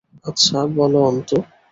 আচ্ছা, বলো অন্তু।